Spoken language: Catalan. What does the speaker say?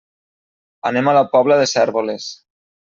Anem a la Pobla de Cérvoles.